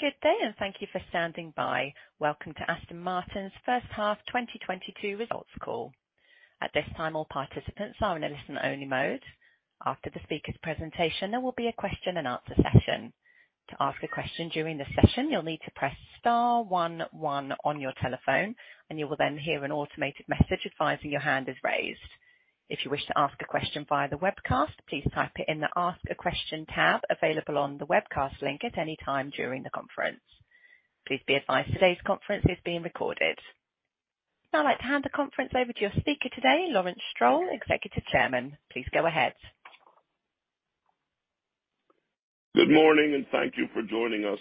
Good day and thank you for standing by. Welcome to Aston Martin's first half 2022 results call. At this time, all participants are in a listen-only mode. After the speaker's presentation, there will be a question-and-answer session. To ask a question during the session, you'll need to press star one-one on your telephone, and you will then hear an automated message advising your hand is raised. If you wish to ask a question via the webcast, please type it in the Ask a Question tab available on the webcast link at any time during the conference. Please be advised, today's conference is being recorded. I'd like to hand the conference over to your speaker today, Lawrence Stroll, Executive Chairman. Please go ahead. Good morning, and thank you for joining us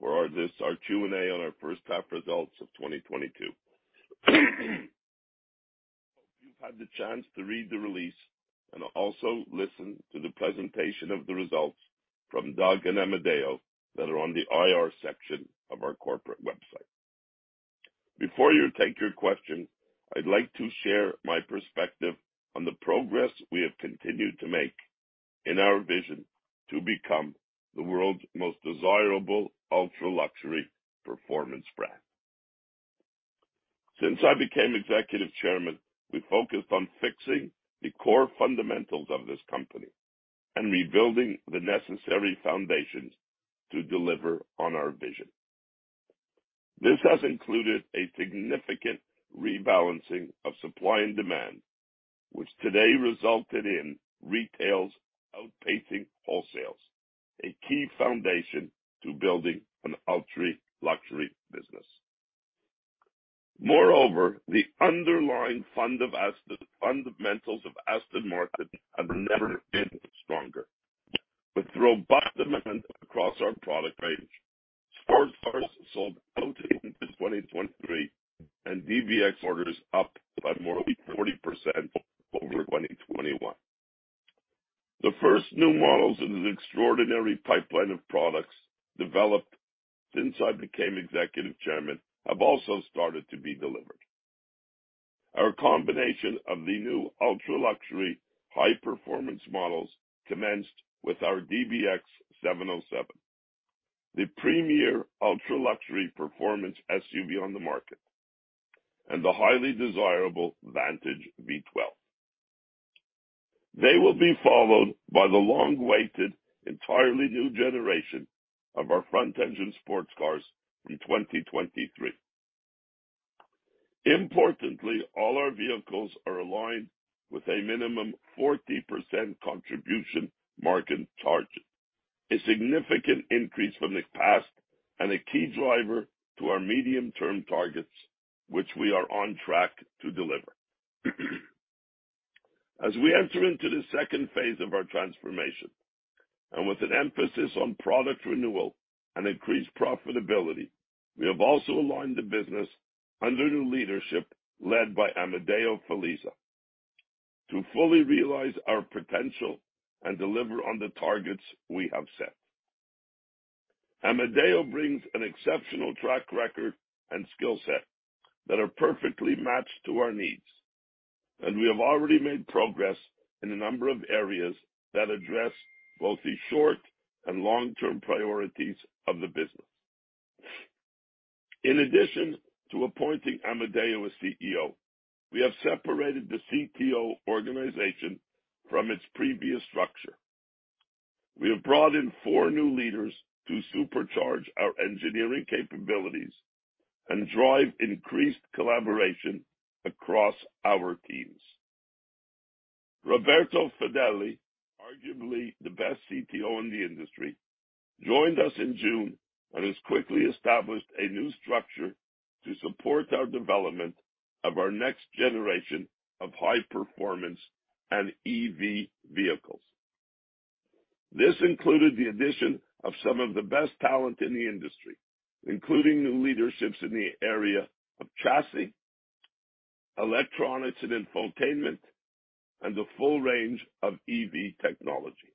for this, our Q&A on our first half results of 2022. You've had the chance to read the release and also listen to the presentation of the results from Doug and Amedeo that are on the IR section of our corporate website. Before you take your questions, I'd like to share my perspective on the progress we have continued to make in our vision to become the world's most desirable ultra-luxury performance brand. Since I became Executive Chairman, we focused on fixing the core fundamentals of this company and rebuilding the necessary foundations to deliver on our vision. This has included a significant rebalancing of supply and demand, which today resulted in retails outpacing wholesales, a key foundation to building an ultra-luxury business. Moreover, the underlying fundamentals of Aston Martin have never been stronger. With robust demand across our product range. Sports cars sold out into 2023, and DBX orders up by more than 40% over 2021. The first new models in an extraordinary pipeline of products developed since I became executive chairman have also started to be delivered. Our combination of the new ultra-luxury high-performance models commenced with our DBX707, the premier ultra-luxury performance SUV on the market, and the highly desirable Vantage V12. They will be followed by the long-awaited, entirely new generation of our front engine sports cars in 2023. Importantly, all our vehicles are aligned with a minimum 40% contribution margin target, a significant increase from the past and a key driver to our medium-term targets, which we are on track to deliver. As we enter into the second phase of our transformation, and with an emphasis on product renewal and increased profitability, we have also aligned the business under new leadership led by Amedeo Felisa to fully realize our potential and deliver on the targets we have set. Amedeo brings an exceptional track record and skill set that are perfectly matched to our needs, and we have already made progress in a number of areas that address both the short and long-term priorities of the business. In addition to appointing Amedeo as CEO, we have separated the CTO organization from its previous structure. We have brought in four new leaders to supercharge our engineering capabilities and drive increased collaboration across our teams. Roberto Fedeli, arguably the best CTO in the industry, joined us in June and has quickly established a new structure to support our development of our next generation of high performance and EV vehicles. This included the addition of some of the best talent in the industry, including new leaderships in the area of chassis, electronics and infotainment, and the full range of EV technology.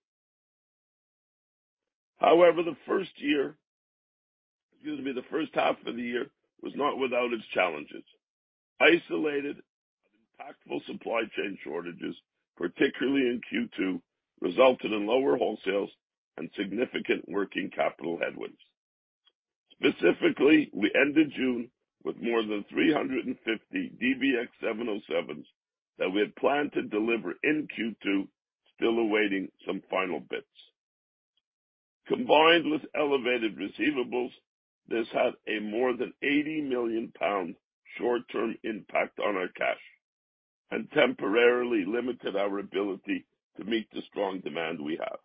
However, the first year, excuse me, the first half of the year was not without its challenges. Isolated but impactful supply chain shortages, particularly in Q2, resulted in lower wholesales and significant working capital headwinds. Specifically, we ended June with more than 350 DBX707s that we had planned to deliver in Q2, still awaiting some final bits. Combined with elevated receivables, this had a more than 80 million pound short-term impact on our cash and temporarily limited our ability to meet the strong demand we have.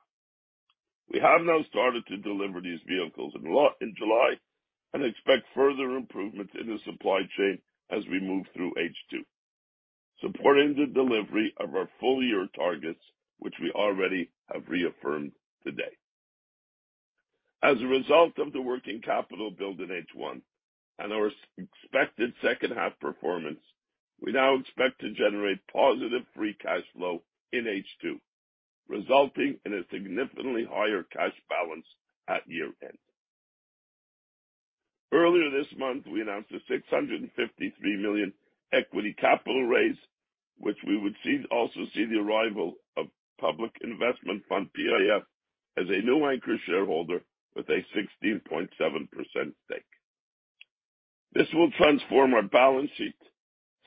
We have now started to deliver these vehicles in July and expect further improvements in the supply chain as we move through H2, supporting the delivery of our full-year targets, which we already have reaffirmed today. As a result of the working capital build in H1 and our expected second half performance, we now expect to generate positive free cash flow in H2, resulting in a significantly higher cash balance at year-end. Earlier this month, we announced a 653 million equity capital raise, which also see the arrival of Public Investment Fund, PIF, as a new anchor shareholder with a 16.7% stake. This will transform our balance sheet,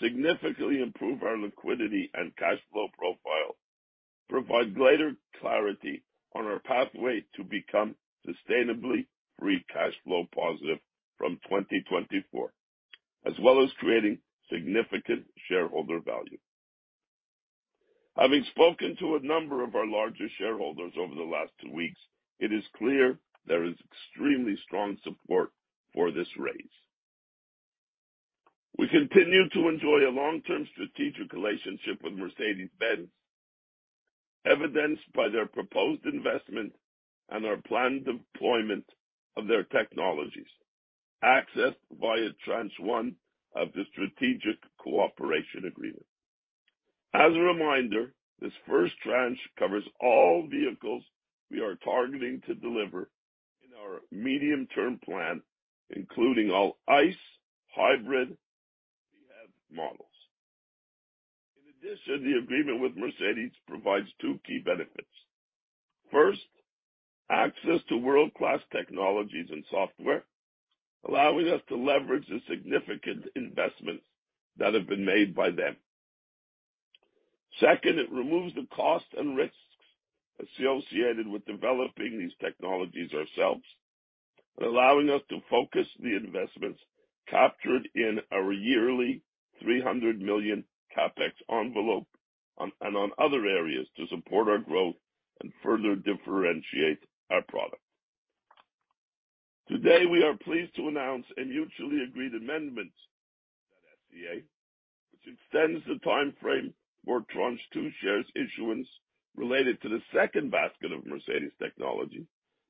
significantly improve our liquidity and cash flow profile, provide greater clarity on our pathway to become sustainably free cash flow positive from 2024, as well as creating significant shareholder value. Having spoken to a number of our larger shareholders over the last two weeks, it is clear there is extremely strong support for this raise. We continue to enjoy a long-term strategic relationship with Mercedes-Benz, evidenced by their proposed investment and our planned deployment of their technologies, accessed via tranche one of the Strategic Cooperation Agreement. As a reminder, this first tranche covers all vehicles we are targeting to deliver in our medium-term plan, including all ICE, Hybrid, and BEV models. In addition, the agreement with Mercedes provides two key benefits. First, access to world-class technologies and software, allowing us to leverage the significant investments that have been made by them. Second, it removes the cost and risks associated with developing these technologies ourselves and allowing us to focus the investments captured in our yearly 300 million CapEx envelope on other areas to support our growth and further differentiate our product. Today, we are pleased to announce a mutually agreed amendment to that SCA, which extends the timeframe for tranche two shares issuance related to the second basket of Mercedes technology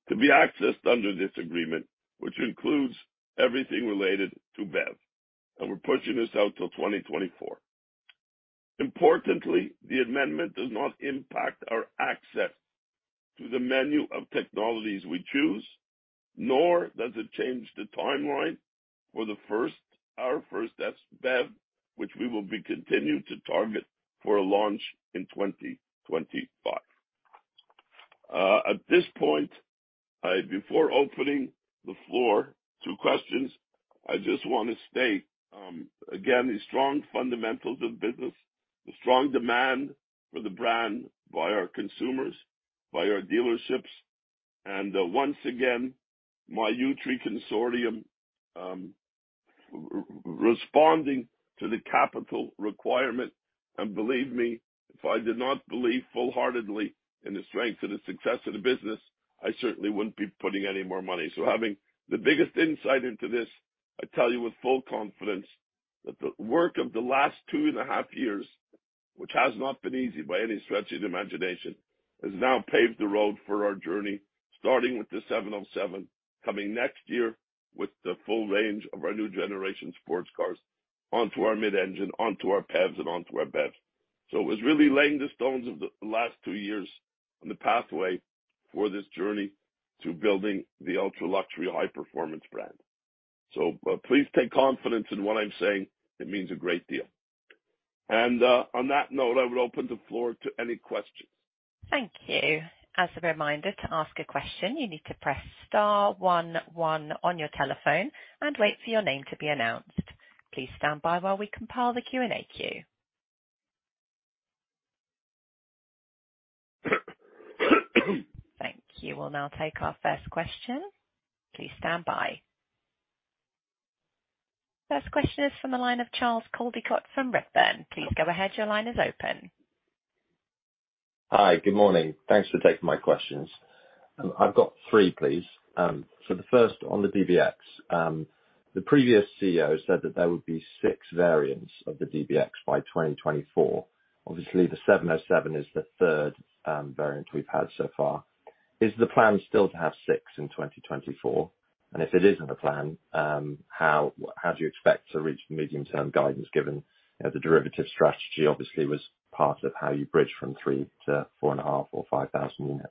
to be accessed under this agreement, which includes everything related to BEV. We're pushing this out till 2024. Importantly, the amendment does not impact our access to the menu of technologies we choose, nor does it change the timeline for our first test BEV, which we will continue to target for a launch in 2025. At this point, before opening the floor to questions, I just want to state again the strong fundamentals of business, the strong demand for the brand by our consumers, by our dealerships, and once again, my Yew Tree Consortium responding to the capital requirement. Believe me, if I did not believe wholeheartedly in the strength and the success of the business, I certainly wouldn't be putting any more money. Having the biggest insight into this, I tell you with full confidence that the work of the last 2.5 years, which has not been easy by any stretch of the imagination, has now paved the road for our journey, starting with the 707, coming next year with the full range of our new generation sports cars onto our mid-engine, onto our PHEVs and onto our BEVs. It was really laying the stones of the last two years on the pathway for this journey to building the ultra-luxury high-performance brand. Please take confidence in what I'm saying. It means a great deal. On that note, I would open the floor to any questions. Thank you. As a reminder, to ask a question, you need to press star one-one on your telephone and wait for your name to be announced. Please stand by while we compile the Q&A queue. Thank you. We'll now take our first question. Please stand by. First question is from the line of Charles Coldicott from Redburn. Please go ahead. Your line is open. Hi, good morning. Thanks for taking my questions. I've got three, please. For the first on the DBX, the previous CEO said that there would be six variants of the DBX by 2024. Obviously, the DBX707 is the third variant we've had so far. Is the plan still to have six in 2024? And if it isn't the plan, how do you expect to reach the medium-term guidance given, you know, the derivative strategy obviously was part of how you bridge from three to 4.5 or 5,000 units?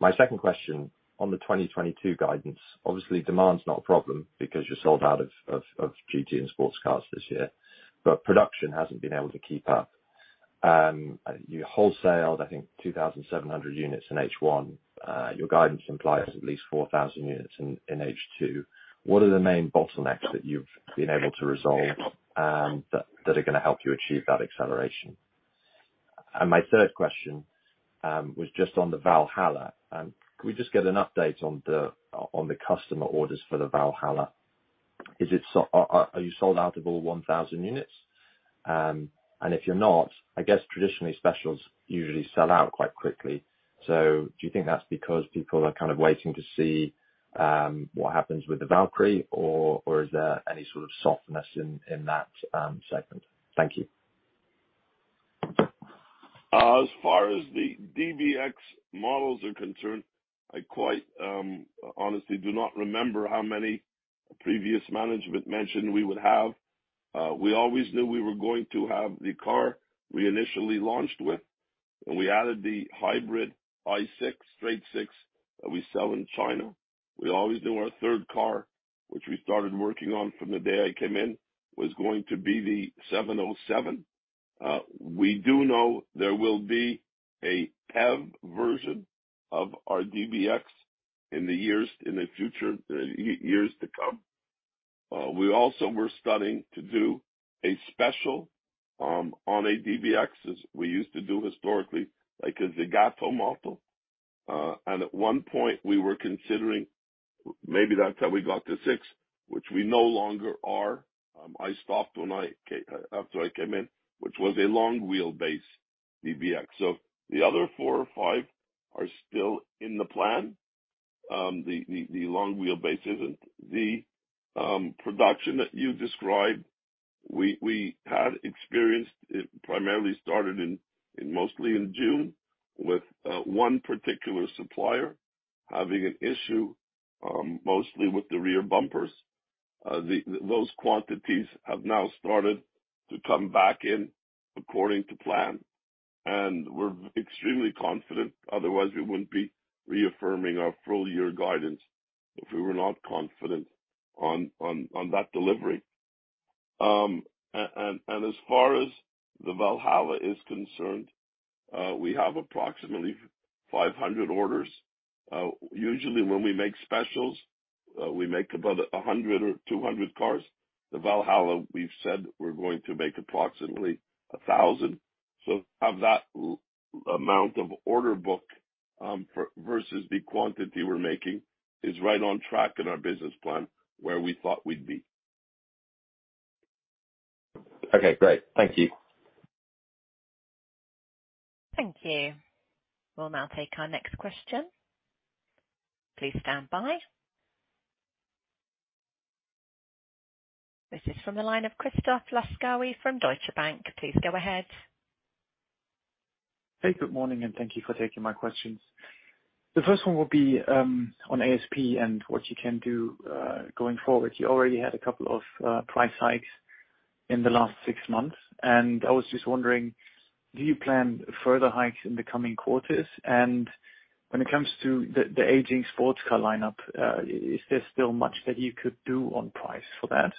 My second question on the 2022 guidance, obviously demand's not a problem because you're sold out of GT and sports cars this year, but production hasn't been able to keep up. You wholesaled, I think 2,700 units in H1. Your guidance implies at least 4,000 units in H2. What are the main bottlenecks that you've been able to resolve that are going to help you achieve that acceleration? My third question was just on the Valhalla. Can we just get an update on the customer orders for the Valhalla? Are you sold out of all 1,000 units? If you're not, I guess traditionally specials usually sell out quite quickly. Do you think that's because people are kind of waiting to see what happens with the Valkyrie or is there any sort of softness in that segment? Thank you. As far as the DBX models are concerned, I quite honestly do not remember how many previous managements mentioned we would have. We always knew we were going to have the car we initially launched with. We added the Hybrid, i6, Straight-Six that we sell in China. We always do our third car, which we started working on from the day I came in, was going to be the 707. We do know there will be a PHEV version of our DBX in the future years to come. We also were studying to do a special on a DBX as we used to do historically, like a Zagato model. At one point we were considering, maybe that's how we got to six, which we no longer are. I stopped when I came in, which was a long wheelbase DBX. The other four or five are still in the plan. The long wheelbase isn't. The production that you described, we had experienced. It primarily started mostly in June, with one particular supplier having an issue, mostly with the rear bumpers. Those quantities have now started to come back in according to plan. We're extremely confident, otherwise we wouldn't be reaffirming our full year guidance, if we were not confident on that delivery. As far as the Valhalla is concerned, we have approximately 500 orders. Usually when we make specials, we make about 100 or 200 cars. The Valhalla, we've said we're going to make approximately 1,000. Have that large amount of order book for versus the quantity we're making is right on track in our business plan where we thought we'd be. Okay, great. Thank you. Thank you. We'll now take our next question. Please stand by. This is from the line of Christoph Laskawi from Deutsche Bank. Please go ahead. Hey, good morning, and thank you for taking my questions. The first one will be on ASP and what you can do going forward. You already had a couple of price hikes in the last six months, and I was just wondering, do you plan further hikes in the coming quarters? When it comes to the aging sports car lineup, is there still much that you could do on price for that?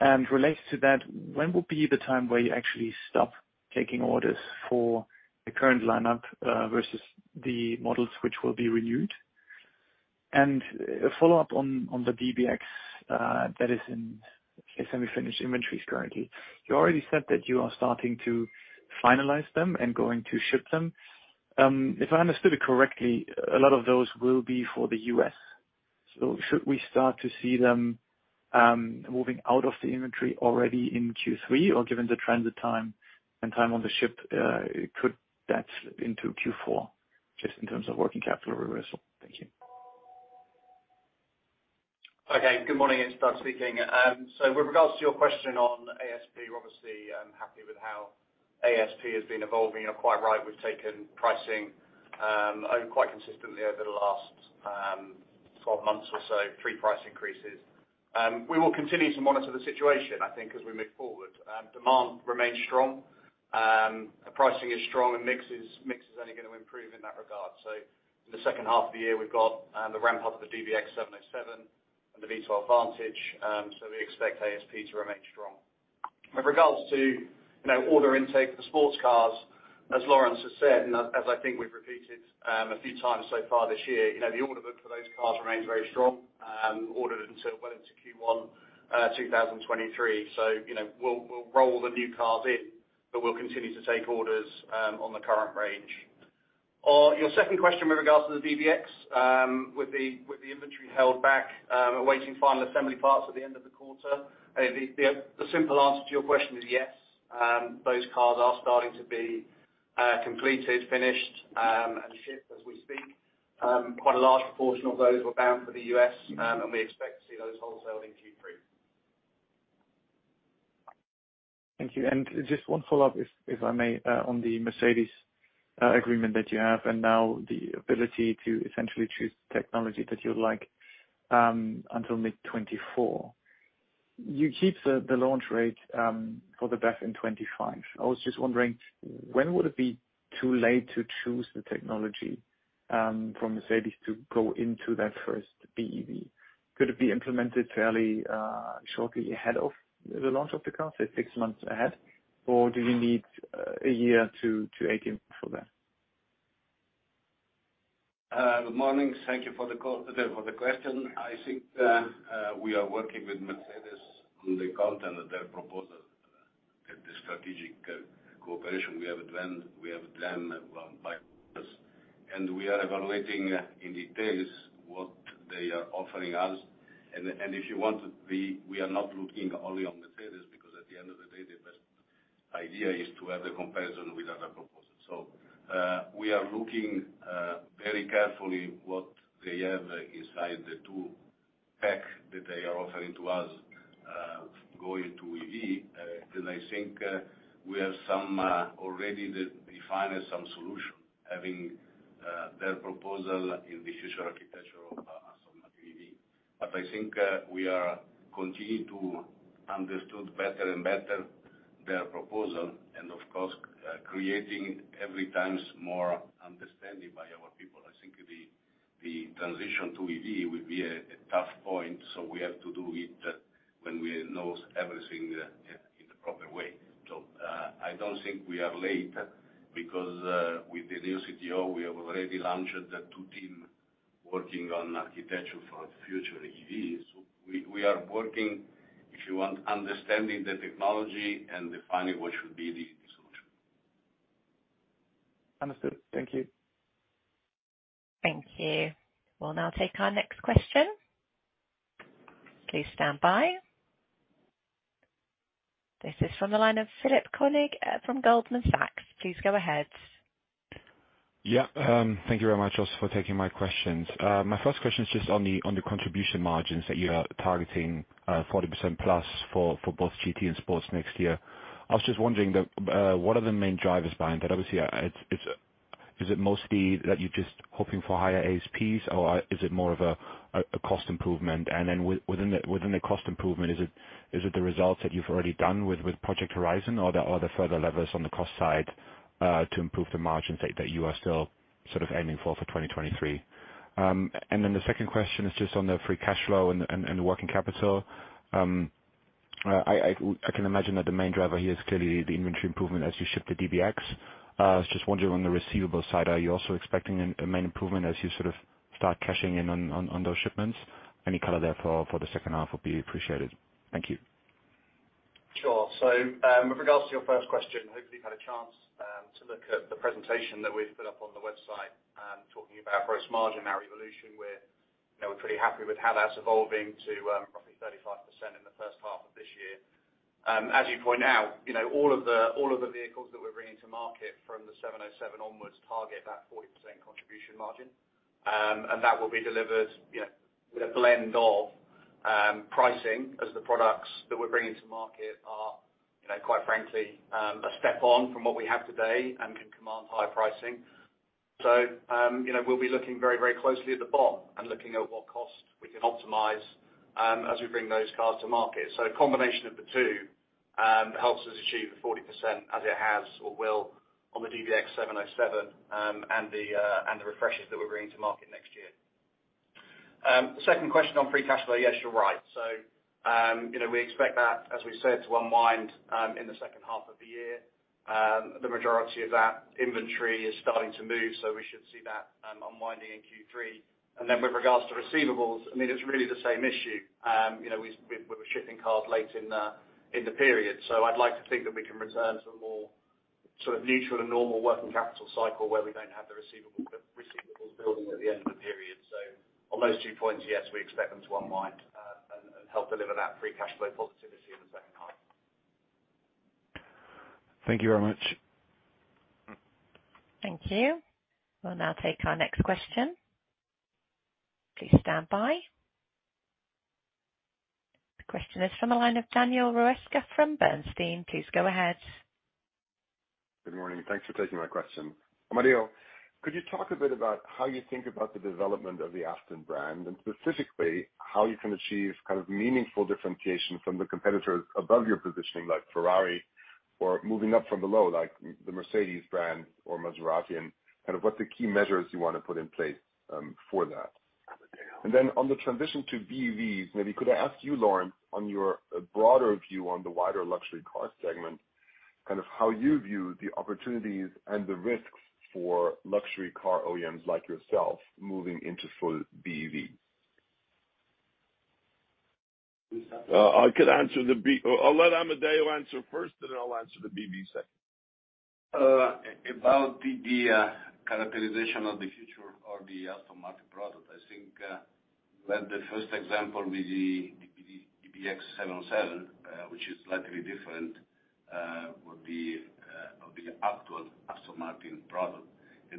And related to that, when will be the time where you actually stop taking orders for the current lineup versus the models which will be renewed? A follow-up on the DBX that is in semi-finished inventories currently. You already said that you are starting to finalize them and going to ship them. If I understood it correctly, a lot of those will be for the U.S. Should we start to see them moving out of the inventory already in Q3? Or given the transit time and time on the ship, could that slip into Q4, just in terms of working capital reversal? Thank you. Okay. Good morning. It's Doug speaking. With regard to your question on ASP, we're obviously happy with how ASP has been evolving. You're quite right, we've taken pricing quite consistently over the last 12 months or so, three price increases. We will continue to monitor the situation, I think, as we move forward. Demand remains strong. Pricing is strong and mix is only going to improve in that regard. In the second half of the year, we've got the ramp up of the DBX707 and the V12 Vantage, so we expect ASP to remain strong. With regards to, you know, order intake for the sports cars, as Lawrence has said, and as I think we've repeated, a few times so far this year, you know, the order book for those cars remains very strong, ordered until well into Q1 2023. You know, we'll roll the new cars in, but we'll continue to take orders on the current range. On your second question with regards to the DBX, with the inventory held back, awaiting final assembly parts at the end of the quarter. The simple answer to your question is yes. Those cars are starting to be completed, finished, and shipped as we speak. Quite a large proportion of those were bound for the U.S., and we expect to see those wholesaled in Q3. Thank you. Just one follow-up, if I may, on the Mercedes agreement that you have and now the ability to essentially choose technology that you'd like until mid-2024. You keep the launch rate for the BEV in 2025. I was just wondering, when would it be too late to choose the technology from Mercedes to go into that first BEV? Could it be implemented fairly shortly ahead of the launch of the car, say six months ahead? Or do you need a year to 18 months for that? Good morning. Thank you for the question. I think, we are working with Mercedes on the content of their proposal at the strategic cooperation. We have a plan run by us, and we are evaluating in details what they are offering us. If you want, we are not looking only on Mercedes because at the end of the day, the best idea is to have a comparison with other proposals. We are looking very carefully what they have inside the tool pack that they are offering to us, going to EV. I think, we have already defined some solution having their proposal in the future architecture of our BEV. But I think we are continuing to understand better and better their proposal and of course creating every time more understanding by our people. I think the transition to EV will be a tough point, so we have to do it when we know everything in the proper way. I don't think we are late because with the new CTO we have already launched the two teams working on architecture for future EVs. We are working, if you want, understanding the technology and defining what should be the solution. Understood. Thank you. Thank you. We'll now take our next question. Please stand by. This is from the line of Philippe Houchois from Goldman Sachs. Please go ahead. Yeah. Thank you very much also for taking my questions. My first question is just on the contribution margins that you are targeting, 40%+ for both GT and Sports next year. I was just wondering what are the main drivers behind that? Obviously, it's mostly that you're just hoping for higher ASPs or is it more of a cost improvement? And then within the cost improvement, is it the results that you've already done with Project Horizon or are there further levers on the cost side to improve the margins that you are still sort of aiming for 2023? And then the second question is just on the free cash flow and the working capital. I can imagine that the main driver here is clearly the inventory improvement as you ship the DBX. I was just wondering on the receivable side, are you also expecting a main improvement as you sort of start cashing in on those shipments? Any color there for the second half would be appreciated. Thank you. Sure. With regards to your first question, hopefully you've had a chance to look at the presentation that we've put up on the website talking about gross margin, our evolution. We're, you know, we're pretty happy with how that's evolving to roughly 35% in the first half of this year. As you point out, you know, all of the vehicles that we're bringing to market from the 707 onwards target that 40% contribution margin. That will be delivered, you know, with a blend of pricing as the products that we're bringing to market are, you know, quite frankly, a step on from what we have today and can command higher pricing. You know, we'll be looking very, very closely at the BOM and looking at what cost we can optimize, as we bring those cars to market. A combination of the two helps us achieve the 40% as it has or will on the DBX707, and the refreshes that we're bringing to market next year. Second question on free cash flow. Yes, you're right. You know, we expect that, as we said, to unwind in the second half of the year. The majority of that inventory is starting to move, so we should see that unwinding in Q3. Then with regards to receivables, I mean, it's really the same issue. You know, we're shipping cars late in the period. I'd like to think that we can return to a more sort of neutral and normal working capital cycle where we don't have the receivable, receivables building at the end of the period. On those two points, yes, we expect them to unwind and help deliver that free cash flow positivity in the second half. Thank you very much. Thank you. We'll now take our next question. Please stand by. The question is from the line of Daniel Roeska from Bernstein. Please go ahead. Good morning. Thanks for taking my question. Amedeo, could you talk a bit about how you think about the development of the Aston brand, and specifically, how you can achieve kind of meaningful differentiation from the competitors above your positioning, like Ferrari, or moving up from below, like the Mercedes brand or Maserati, and kind of what's the key measures you want to put in place, for that? On the transition to BEVs, maybe could I ask you, Lawrence, on your broader view on the wider luxury car segment, kind of how you view the opportunities and the risks for luxury car OEMs like yourself moving into full BEV? I'll let Amedeo answer first, and then I'll answer the BEV second. About the characterization of the future or the Aston Martin product. I think we have the first example with the DBX707, which is slightly different, would be of the actual Aston Martin product.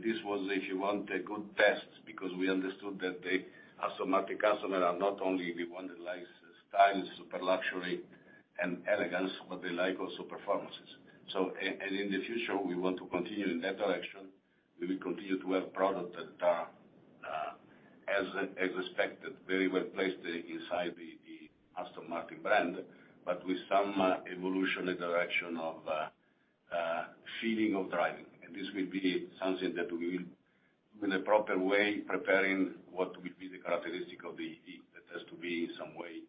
This was, if you want a good test, because we understood that the Aston Martin customers are not only the one that likes style, super luxury and elegance, but they like also performances. In the future, we want to continue in that direction. We will continue to have product that, as expected, very well placed inside the Aston Martin brand, but with some evolution in the direction of feeling of driving. This will be something that we will, in a proper way, preparing what will be the characteristic of the EV that has to be in some way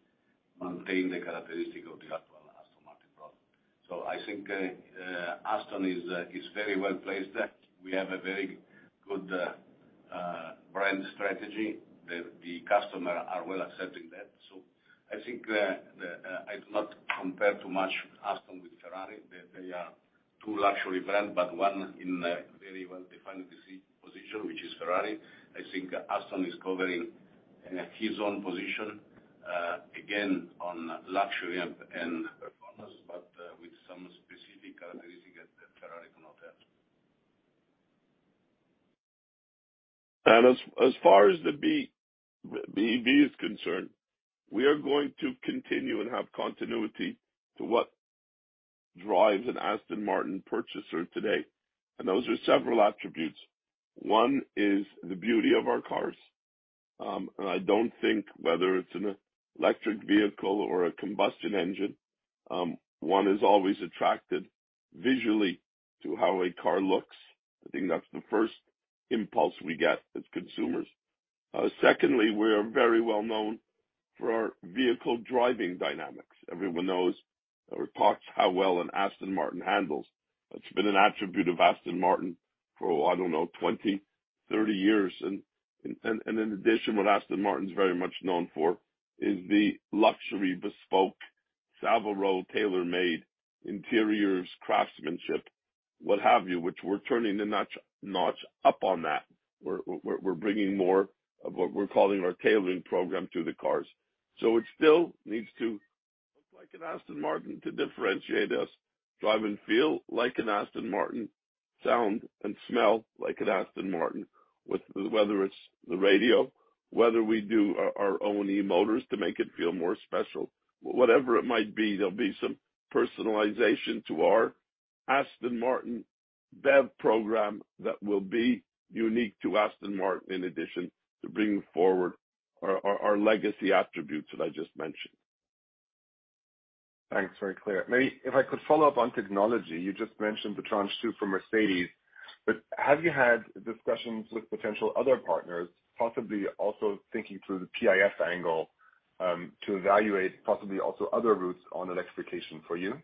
maintain the characteristic of the actual Aston Martin product. I think Aston is very well placed. We have a very good brand strategy. The customers are well accepting that. I think I do not compare too much Aston with Ferrari. They are two luxury brands, but one in a very well-defined position, which is Ferrari. I think Aston is covering his own position again, on luxury and performance, but with some specific characteristic that Ferrari cannot have. As far as the BEV is concerned, we are going to continue and have continuity to what drives an Aston Martin purchaser today? Those are several attributes. One is the beauty of our cars. I don't think whether it's an electric vehicle or a combustion engine, one is always attracted visually to how a car looks. I think that's the first impulse we get as consumers. Secondly, we're very well known for our vehicle driving dynamics. Everyone knows or talks how well an Aston Martin handles. It's been an attribute of Aston Martin for, I don't know, 20, 30 years. In addition, what Aston Martin is very much known for is the luxury bespoke Savile Row tailor-made interiors, craftsmanship, what have you, which we're turning the notch up on that. We're bringing more of what we're calling our tailoring program to the cars. It still needs to look like an Aston Martin to differentiate us, drive and feel like an Aston Martin, sound and smell like an Aston Martin, with whether it's the radio, whether we do our own e-motors to make it feel more special. Whatever it might be, there'll be some personalization to our Aston Martin BEV program that will be unique to Aston Martin, in addition to bringing forward our legacy attributes that I just mentioned. Thanks. Very clear. Maybe if I could follow up on technology, you just mentioned the tranche two from Mercedes, but have you had discussions with potential other partners, possibly also thinking through the PIF angle, to evaluate possibly also other routes on electrification for you?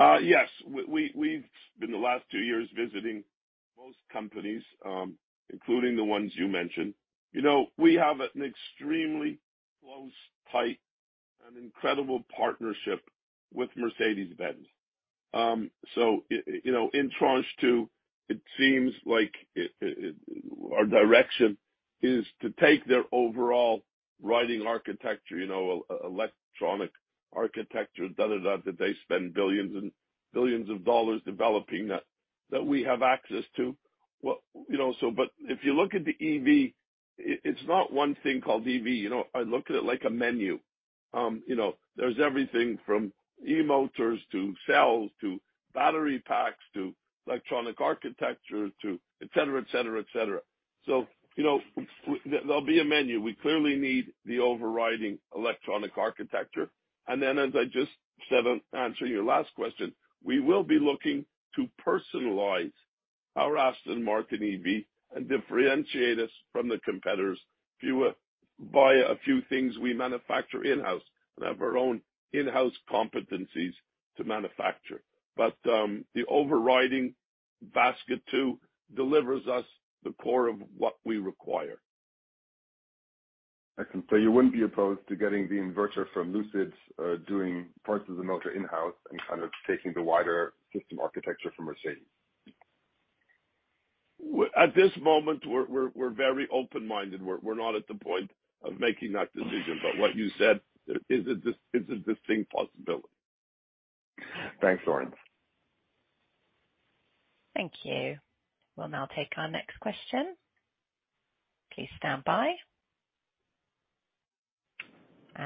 Yes. We've spent the last two years visiting most companies, including the ones you mentioned. You know, we have an extremely close, tight, and incredible partnership with Mercedes-Benz. You know, in tranche two, it seems like our direction is to take their overall ride and handling architecture, electronic architecture, that they spend billions and billions of dollars developing that we have access to. Well, you know, if you look at the EV, it's not one thing called EV. You know, I look at it like a menu. You know, there's everything from e-motors to cells to battery packs to electronic architecture to, et cetera. You know, there'll be a menu. We clearly need the overriding electronic architecture. As I just said, answering your last question, we will be looking to personalize our Aston Martin EV and differentiate us from the competitors via a few things we manufacture in-house and have our own in-house competencies to manufacture. But, the overriding basket two delivers us the core of what we require. Excellent. You wouldn't be opposed to getting the inverter from Lucid, doing parts of the motor in-house and kind of taking the wider system architecture from Mercedes. At this moment, we're very open-minded. We're not at the point of making that decision, but what you said is a distinct possibility. Thanks, Lawrence. Thank you. We'll now take our next question. Please stand by.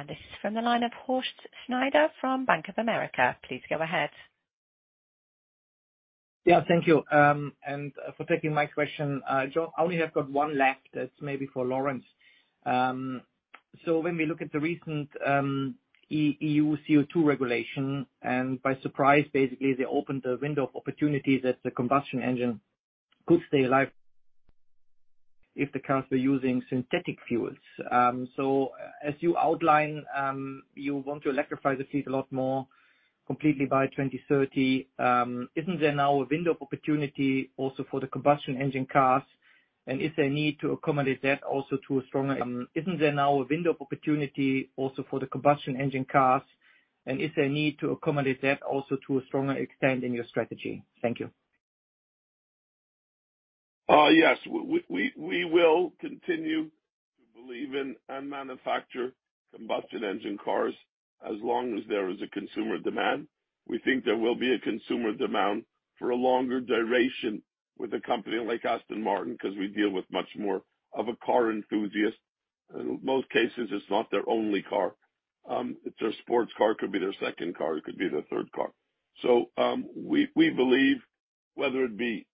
This is from the line of Horst Schneider from Bank of America. Please go ahead. Yeah, thank you, and for taking my question. John, I only have got one left that's maybe for Lawrence. When we look at the recent EU CO2 regulation, and by surprise, basically, they opened a window of opportunity that the combustion engine could stay alive if the cars were using synthetic fuels. As you outline, you want to electrify the fleet a lot more completely by 2030, isn't there now a window of opportunity also for the combustion engine cars? And is there a need to accommodate that also to a stronger extent in your strategy? Thank you. Yes. We will continue to believe in and manufacture combustion engine cars as long as there is a consumer demand. We think there will be a consumer demand for a longer duration with a company like Aston Martin, because we deal with much more of a car enthusiast. In most cases, it's not their only car. It's a sports car, could be their second car, it could be their third car. We believe whether it be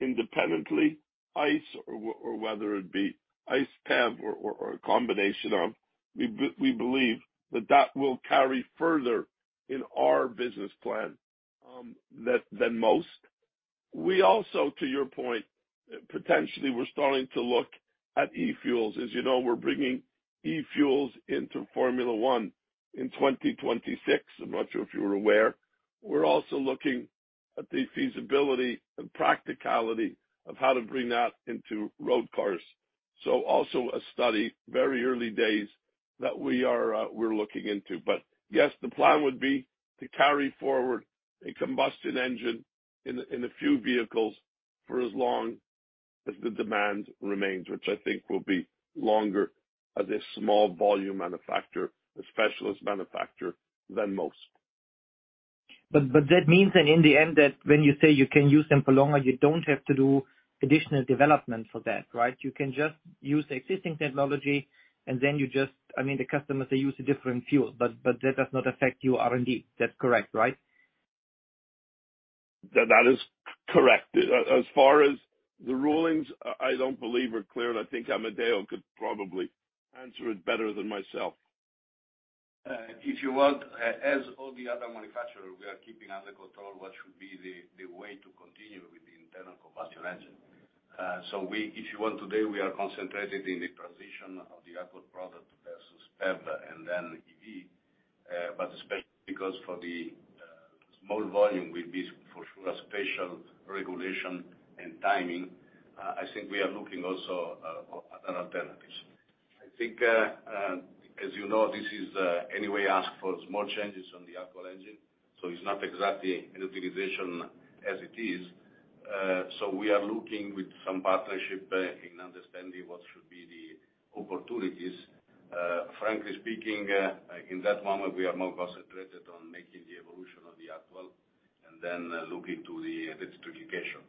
independently ICE or whether it be ICE PHEV or a combination of. We believe that will carry further in our business plan than most. We also, to your point, potentially, we're starting to look at e-fuels. As you know, we're bringing e-fuels into Formula 1 in 2026. I'm not sure if you were aware. We're also looking at the feasibility and practicality of how to bring that into road cars. So, also a study, very early days, that we're looking into. Yes, the plan would be to carry forward a combustion engine in a few vehicles for as long as the demand remains, which I think will be longer as a small volume manufacturer, a specialist manufacturer than most. But that means then in the end that when you say you can use them for longer, you don't have to do additional development for that, right? You can just use the existing technology, and then you just, I mean, the customers, they use a different fuel, but that does not affect your R&D. That's correct, right? That is correct. As far as the rulings, I don't believe are clear, and I think Amedeo could probably answer it better than myself. If you want, as all the other manufacturers, we are keeping under control what should be the way to continue with the internal combustion engine. If you want today, we are concentrated in the transition of the actual product versus PHEV and then EV. Especially because for the small volume will be for sure a special regulation and timing, I think we are looking also at other alternatives. I think, as you know, this is anyway asks for small changes on the actual engine, so it's not exactly a utilization as it is. We are looking with some partnership in understanding what should be the opportunities. Frankly speaking, in that moment, we are more concentrated on making the evolution of the actual and then looking to the electrification.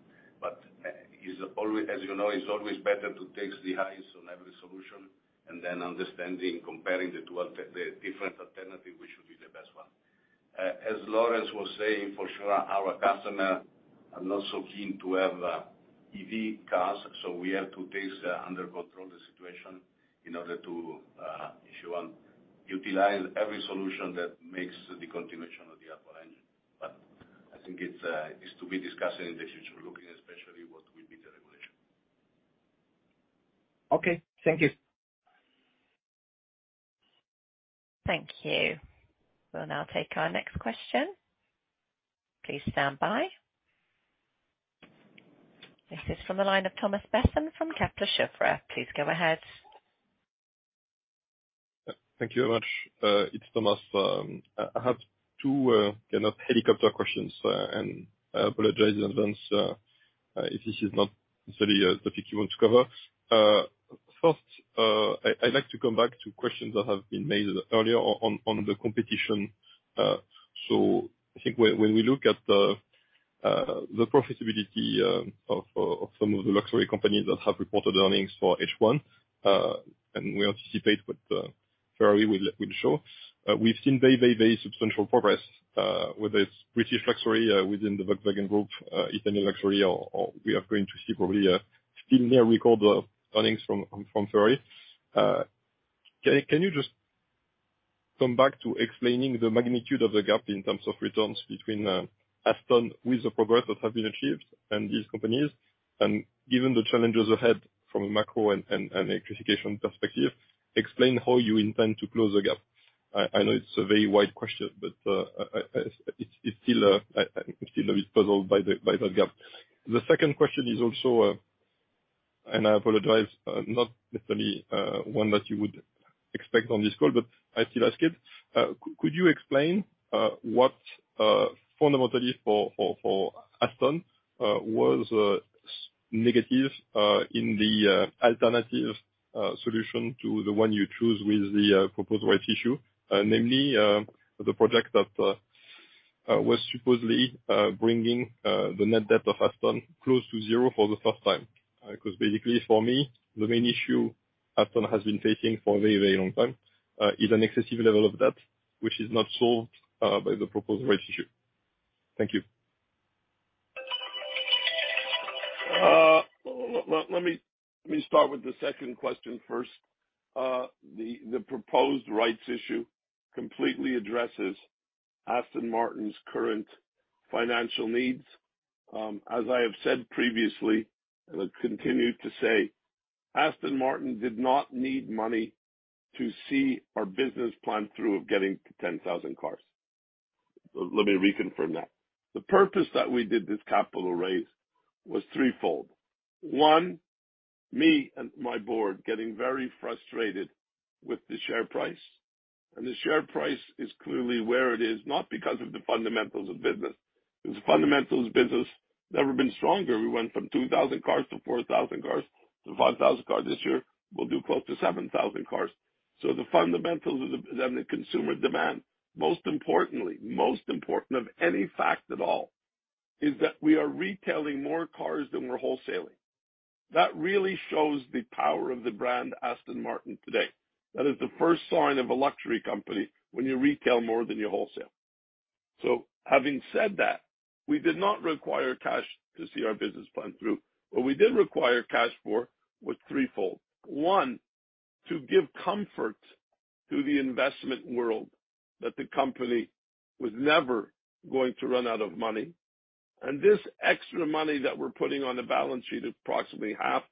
As you know, it's always better to test the hypothesis on every solution and then understanding, comparing the different alternative, which should be the best one. As Lawrence was saying, for sure our customers are not so keen to have EV cars, so we have to test under control the situation in order to, if you want, utilize every solution that makes the continuation of the actual engine. I think it's to be discussed in the future, looking especially what will be the regulation. Okay. Thank you. Thank you. We'll now take our next question. Please stand by. This is from the line of Thomas Besson from Kepler Cheuvreux. Please go ahead. Thank you very much. It's Thomas. I have two, kind of helicopter questions, and I apologize in advance if this is not necessarily a topic you want to cover. First, I'd like to come back to questions that have been made earlier on the competition. I think when we look at the profitability of some of the luxury companies that have reported earnings for H1, and we anticipate what Ferrari will show. We've seen very substantial progress, whether it's British luxury within the Volkswagen Group, Italian luxury or we are going to see probably a still near-record of earnings from Ferrari. Can you just come back to explaining the magnitude of the gap in terms of returns between Aston with the progress that has been achieved and these companies? Given the challenges ahead from a macro and electrification perspective, explain how you intend to close the gap. I know it's a very wide question, but it's still, I'm still a bit puzzled by that gap. The second question is also and I apologize, not necessarily one that you would expect on this call, but I still ask it. Could you explain what fundamentally for Aston was negative in the alternative solution to the one you choose with the proposed rights issue, namely the project that was supposedly bringing the net debt of Aston close to zero for the first time because basically for me, the main issue Aston has been facing for a very long time is an excessive level of debt, which is not solved by the proposed rights issue? Thank you. Let me start with the second question first. The proposed rights issue completely addresses Aston Martin's current financial needs. As I have said previously, and I continue to say, Aston Martin did not need money to see our business plan through of getting to 10,000 cars. Let me reconfirm that. The purpose that we did this capital raise was threefold. One, me and my board getting very frustrated with the share price, and the share price is clearly where it is, not because of the fundamentals of business. Because the fundamentals of business never been stronger. We went from 2,000 cars to 4,000 cars to 5,000 cars this year. We'll do close to 7,000 cars. The fundamentals of the business and the consumer demand, most importantly, most important of any fact at all, is that we are retailing more cars than we're wholesaling. That really shows the power of the brand Aston Martin today. That is the first sign of a luxury company when you retail more than you wholesale. Having said that, we did not require cash to see our business plan through. What we did require cash for was threefold. One, to give comfort to the investment world that the company was never going to run out of money. This extra money that we're putting on the balance sheet, approximately half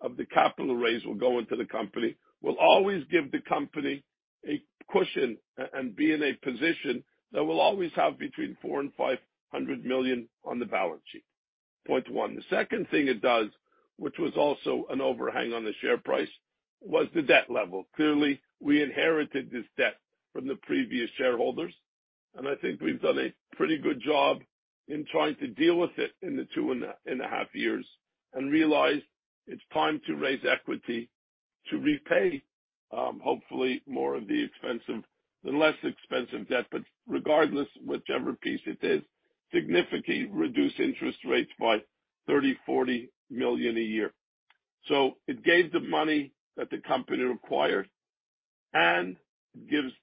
of the capital raise will go into the company, will always give the company a cushion and be in a position that will always have between 400 million and 500 million on the balance sheet. Point one. The second thing it does, which was also an overhang on the share price, was the debt level. Clearly, we inherited this debt from the previous shareholders, and I think we've done a pretty good job in trying to deal with it in the 2.5 years and realized it's time to raise equity to repay, hopefully more of the expensive than less expensive debt. Regardless, whichever piece it is, significantly reduce interest rates by 30 million-40 million a year. It gave the money that the company required and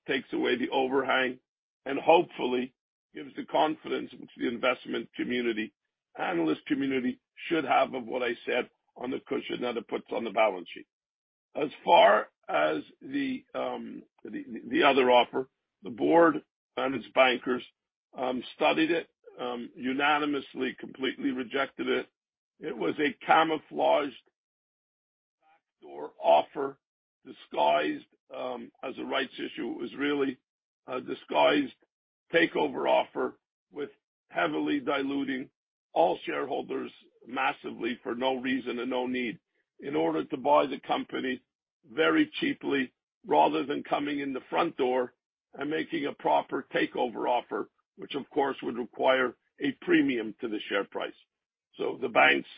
takes away the overhang and hopefully gives the confidence to the investment community, analyst community should have of what I said on the cushion that it puts on the balance sheet. As far as the other offer, the board and its bankers studied it unanimously, completely rejected it. It was a camouflaged backdoor offer disguised as a rights issue. It was really a disguised takeover offer with heavily diluting all shareholders massively for no reason and no need in order to buy the company very cheaply rather than coming in the front door and making a proper takeover offer, which of course would require a premium to the share price. The banks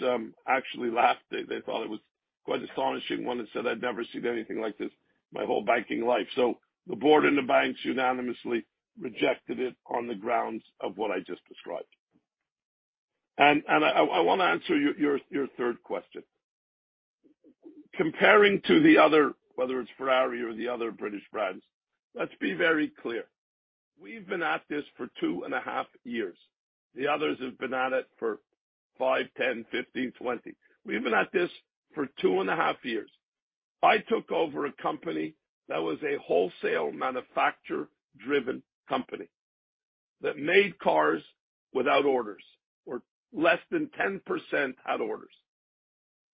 actually laughed. They thought it was quite astonishing. One that said, I'd never seen anything like this my whole banking life. The board and the banks unanimously rejected it on the grounds of what I just described. I want to answer your third question. Comparing to the other, whether it's Ferrari or the other British brands, let's be very clear. We've been at this for 2.5 years. The others have been at it for five, 10, 15, 20. We've been at this for 2.5 years. I took over a company that was a wholesale manufacturer-driven company, that made cars without orders, or less than 10% had orders.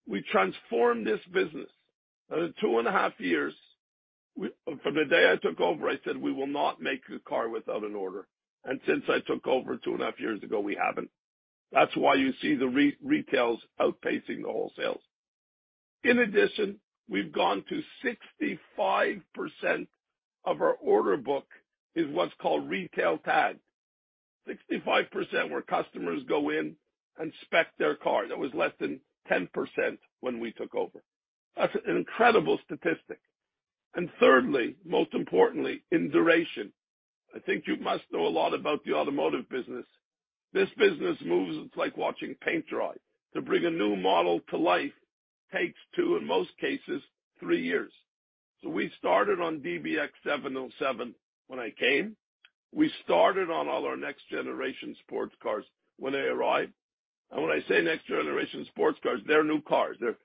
We transformed this business and in 2.5 years, from the day I took over, I said, we will not make a car without an order. Since I took over 2.5 years ago, we haven't. That's why you see the retails outpacing the wholesales. In addition, we've gone to 65% of our order book is what's called retail pad. 65% where customers go in and spec their car. That was less than 10% when we took over. That's an incredible statistic. Thirdly, most importantly, in duration. I think you must know a lot about the automotive business. This business moves, it's like watching paint dry. To bring a new model to life takes two, in most cases, three years. We started on DBX707 when I came. We started on all our next generation sports cars when they arrived. When I say next generation sports cars, they're new cars. They're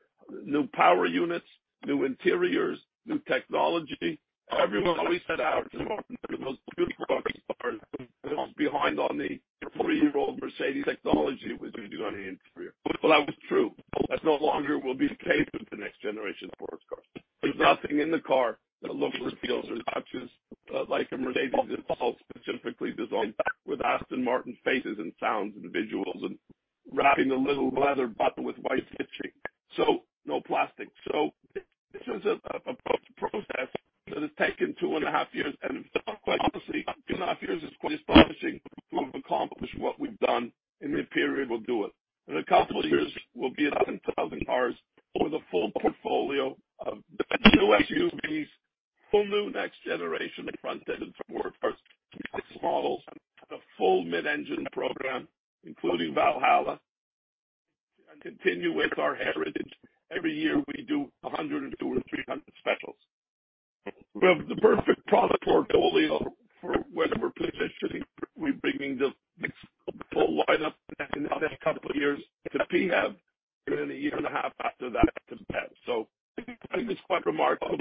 new power units, new interiors, new technology. Everyone always said Aston Martin makes the most beautiful sports cars, but it's behind on the three-year-old Mercedes technology it was going to do on the interior. Well, that was true. That no longer will be the case with the next generation of sports cars. There's nothing in the car that looks, or feels, or touches, like a Mercedes. It's all specifically designed with Aston Martin fascias, and sounds, and visuals and wrapping a little leather button with white stitching. No plastic. This was a process that has taken 2.5 years, and quite honestly, 2.5 years is quite astonishing to have accomplished what we've done in the period we'll do it. In a couple of years, we'll be up to 12 cars with a full portfolio of the new SUVs, whole new next generation front-engine sports cars models, the full mid-engine program, including Valhalla, and continue with our heritage. Every year, we do 100 or 200 or 300 specials. We have the perfect product portfolio for whatever position we bring in the next full lineup in another couple of years to have within a year and a half after that. I think it's quite remarkable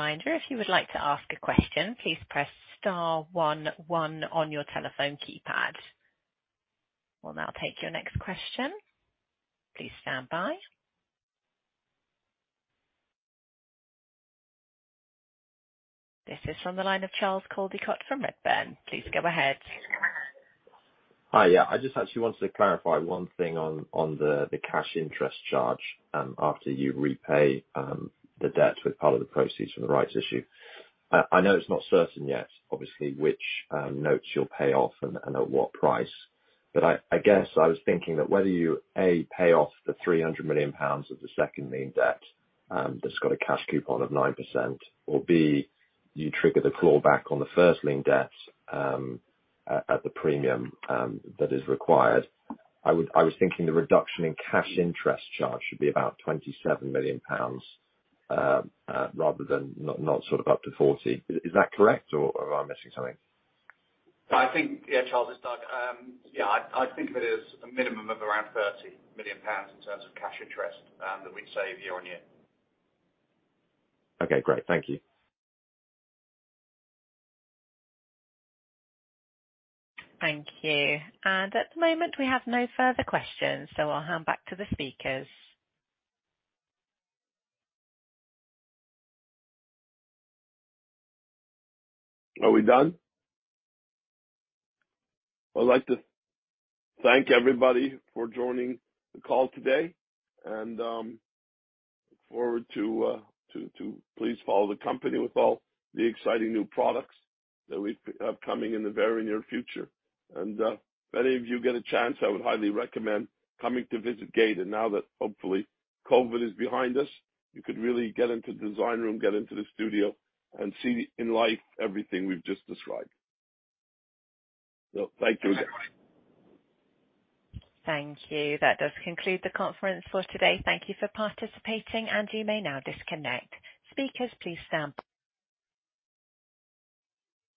what we've been able to accomplish in the time for this current management team we have been together. Thank you. As a reminder, if you would like to ask a question, please press star one-one on your telephone keypad. We'll now take your next question. Please stand by. This is on the line of Charles Coldicott from Redburn. Please go ahead. Hi. Yeah. I just actually wanted to clarify one thing on the cash interest charge after you repay the debt with part of the proceeds from the rights issue. I know it's not certain yet, obviously, which notes you'll pay off and at what price. I guess I was thinking that whether you, A, pay off the 300 million pounds of the second lien debt that's got a cash coupon of 9%, or B, you trigger the claw back on the first lien debt at the premium that is required. I was thinking the reduction in cash interest charge should be about 27 million pounds rather than not sort of up to 40 million. Is that correct or am I missing something? I think, yeah, Charles, it's Doug. Yeah, I think of it as a minimum of around 30 million pounds in terms of cash interest that we'd save year on year. Okay, great. Thank you. Thank you. At the moment, we have no further questions, so I'll hand back to the speakers. Are we done? I'd like to thank everybody for joining the call today and look forward to please follow the company with all the exciting new products that we've upcoming in the very near future. If any of you get a chance, I would highly recommend coming to visit Gaydon. Now that hopefully COVID is behind us, you could really get into the design room, get into the studio, and see in life everything we've just described. Thank you again. Thank you. That does conclude the conference for today. Thank you for participating, and you may now disconnect. Speakers, please stand.